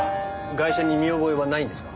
ガイシャに見覚えはないんですか？